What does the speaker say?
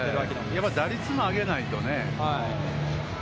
やっぱり打率も上げないとね。